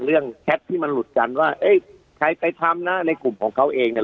แชทที่มันหลุดกันว่าเอ๊ะใครไปทำนะในกลุ่มของเขาเองเนี่ย